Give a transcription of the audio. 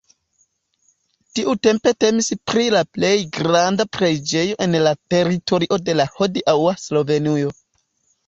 Tiutempe temis pri la plej granda preĝejo en la teritorio de hodiaŭa Slovenujo.